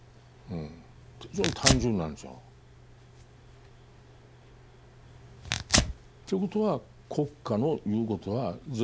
非常に単純なんですよ。ということは国家の言うことは全部聞く。ね。